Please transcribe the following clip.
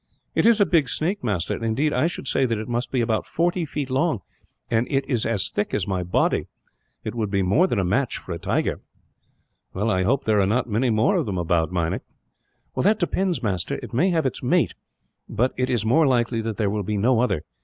"It is a big snake, master. Indeed, I should say that it must be about forty feet long, and it is as thick as my body. It would be more than a match for a tiger." "Well, I hope there are not many more of them about, Meinik." "That depends, master. It may have its mate, but it is more likely there will be no other.